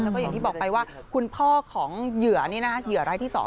แล้วก็อย่างที่บอกไปว่าคุณพ่อของเหยื่อรายที่๒